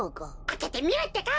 あけてみるってか。